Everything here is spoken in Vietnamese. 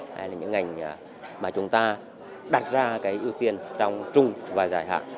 hay là những ngành mà chúng ta đặt ra cái ưu tiên trong trung và dài hạn